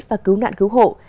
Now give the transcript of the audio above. và cứu nạn cứu hộ